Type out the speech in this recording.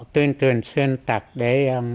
tuyên truyền xuyên tạc để